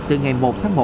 từ ngày một tháng một